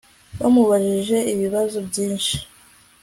Bamubajije ibibazo byinshi